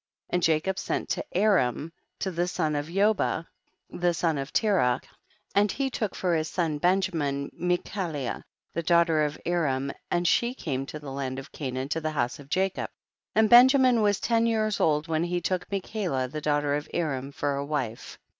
21. And Jacob sent to Aram, the 144 THE BOOK OF JASHER. son of Zoba, the son of Terah, and he took for his son Benjamin Me chaha the daughter of Aram, and she came to the land of Canaan to the house of Jacob ; and Benjamin was ten years old when he took Me chalia the daughter of Aram for a wife.